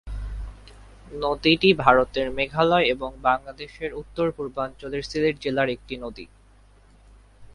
নদীটি ভারতের মেঘালয় এবং বাংলাদেশের উত্তর-পূর্বাঞ্চলের সিলেট জেলার একটি নদী।